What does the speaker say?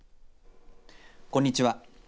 こんにちは。